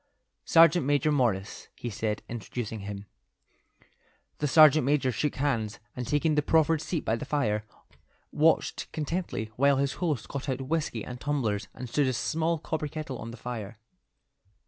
"Sergeant Major Morris," he said, introducing him. The sergeant major shook hands, and taking the proffered seat by the fire, watched contentedly while his host got out whiskey and tumblers and stood a small copper kettle on the fire.